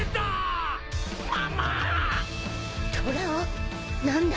トラ男何だ